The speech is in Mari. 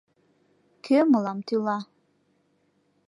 Кӧ мылам тӱла?